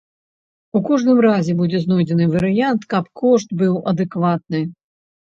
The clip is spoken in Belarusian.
У кожным разе, будзе знойдзены варыянт, каб кошт быў адэкватны.